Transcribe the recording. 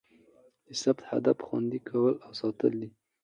د ضبط هدف؛ خوندي کول او ساتل دي.